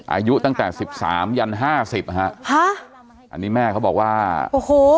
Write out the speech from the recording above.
อายุตั้งแต่๑๓ยัน๕๐อ่ะฮะอันนี้แม่เขาบอกว่าโอ้โห